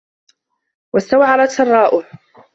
وَاسْتَوْعَرَتْ سَرَّاؤُهُ